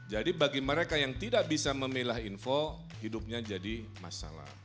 jadi bagi mereka yang tidak bisa memilah info hidupnya jadi masalah